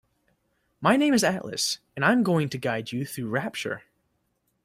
My name is Atlas and I'm going to guide you through Rapture.